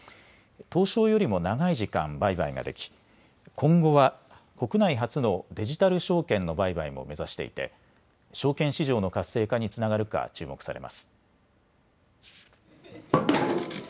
東証よりも長い時間、売買ができ今後は国内初のデジタル証券の売買も目指していて証券市場の活性化につながるか注目されます。